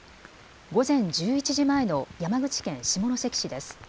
午前１１時前の山口県下関市です。